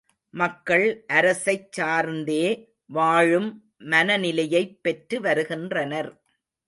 மக்கள் அரசைச் சார்ந்தே வாழும் மனநிலையைப் பெற்று வருகின்றனர்.